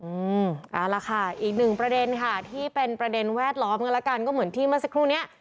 เอาละค่ะอีกหนึ่งประเด็นค่ะที่เป็นประเด็นแวดล้อมกันแล้วกันก็เหมือนที่เมื่อสักครู่เนี้ย